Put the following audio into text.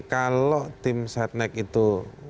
kalau tim satnek itu